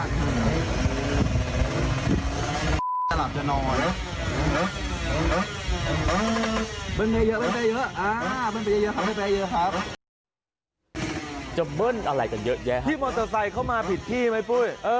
ที่มอเตอร์ไซด์เข้ามาผิดที่ไหมปุ้ย